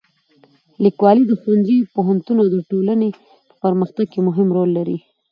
لیکوالی د ښوونځي، پوهنتون او ټولنې په پرمختګ کې مهم رول لري.